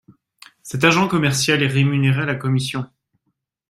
Cet agent commercial est rémunéré à la commission.